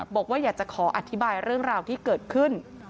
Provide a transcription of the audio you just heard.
บอกว่าอยากจะขออธิบายเรื่องราวที่เกิดขึ้น